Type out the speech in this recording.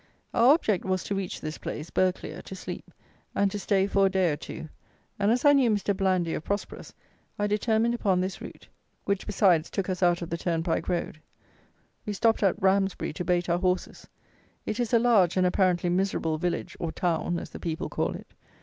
Our object was to reach this place (Burghclere) to sleep, and to stay for a day or two; and, as I knew Mr. Blandy of Prosperous, I determined upon this route, which, besides, took us out of the turnpike road. We stopped at Ramsbury, to bait our horses. It is a large, and, apparently, miserable village, or "town" as the people call it.